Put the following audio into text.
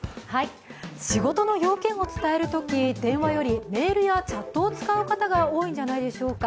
仕事の用件を伝えるとき電話よりメールやチャットを使う方が多いんじゃないでしょうか。